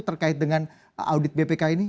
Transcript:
terkait dengan audit bpk ini